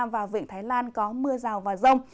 và huyện thái lan có mưa rào và rông